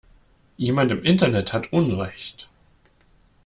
Jemand im Internet hat unrecht.